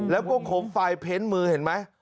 แล้วก็ขมไฟเพ้นมือเห็นไหม